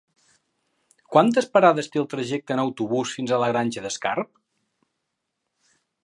Quantes parades té el trajecte en autobús fins a la Granja d'Escarp?